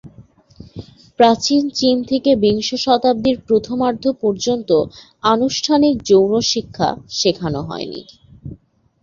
প্রাচীন চীন থেকে বিংশ শতাব্দীর প্রথমার্ধ পর্যন্ত আনুষ্ঠানিক যৌন শিক্ষা শেখানো হয়নি।